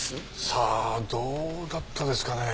さあどうだったですかねえ。